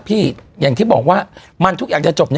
อย่างที่บอกว่ามันทุกอย่างจะจบ